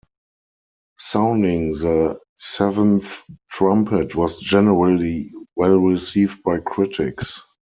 "Sounding the Seventh Trumpet" was generally well received by critics.